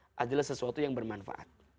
yang kita share adalah sesuatu yang bermanfaat